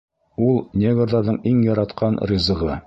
Ул негрҙарҙың иң яратҡан ризығы.